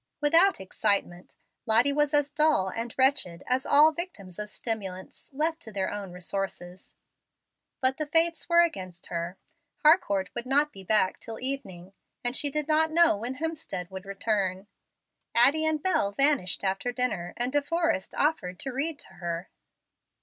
Without excitement Lottie was as dull and wretched as all victims of stimulants, left to their own resources. But the fates were against her. Harcourt would not be back till evening, and she did not know when Hemstead would return. Addie and Bel vanished after dinner, and De Forrest offered to read to her.